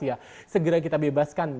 ya segera kita bebaskan